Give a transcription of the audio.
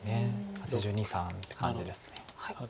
８２８３って感じです。